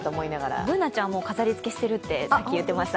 Ｂｏｏｎａちゃん、飾りつけしてるってさっき言ってました。